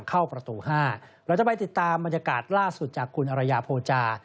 เข้าประตู๕เราจะไปติดตามบรรยากาศล่าสุดจากคุณอรยาโพจา